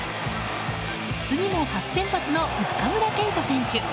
次も初先発の中村敬斗選手。